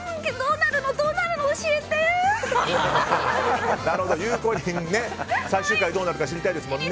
なるほど、ゆうこりんも最終回どうなるか知りたいですもんね。